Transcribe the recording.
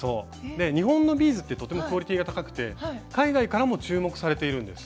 日本のビーズってとてもクオリティーが高くて海外からも注目されているんです。